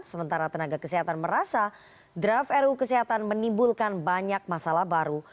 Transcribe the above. sementara tenaga kesehatan merasa draft ru kesehatan menimbulkan banyak masalah baru